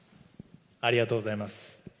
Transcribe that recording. ありがとうございます。